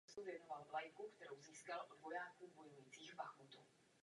Následuje po čísle devět set třicet pět a předchází číslu devět set třicet sedm.